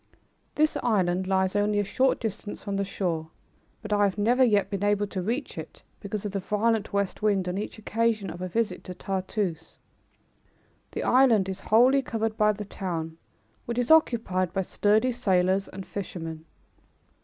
This island lies only a short distance from the shore, but I have never yet been able to reach it because of the violent west wind on each occasion of a visit to Tartoose. The island is wholly covered by the town, which is occupied by sturdy sailors and fishermen.